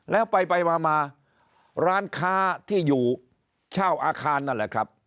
แล้วไปมาร้านค้าที่อยู่เช่าอาคารนั่นแหละครับ